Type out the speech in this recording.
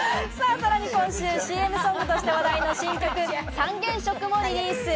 さらに今週、ＣＭソングとして話題の新曲『三原色』もリリース。